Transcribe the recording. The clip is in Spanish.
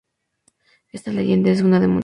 Esta leyenda es una de muchas.